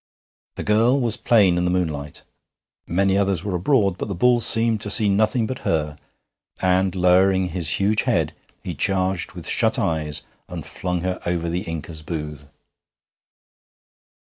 The girl was plain in the moonlight. Many others were abroad, but the bull seemed to see nothing but her, and, lowering his huge head, he charged with shut eyes and flung her over the Inca's booth.